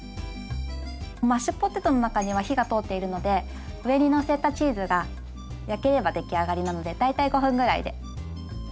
マッシュポテトの中には火が通っているので上にのせたチーズが焼ければ出来上がりなので大体５分ぐらいで。